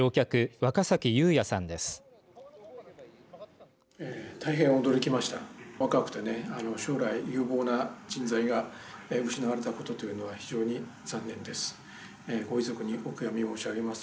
若くて将来有望な人材が失われたことというのが非常に残念です。